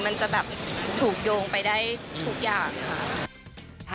มันจะแบบถูกโยงไปได้ทุกอย่างค่ะ